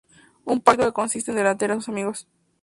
Un pacto que consiste en delatar a sus amigos.